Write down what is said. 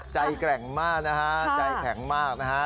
แกร่งมากนะฮะใจแข็งมากนะฮะ